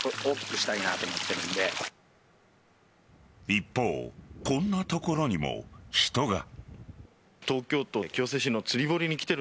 一方、こんなところにも人が。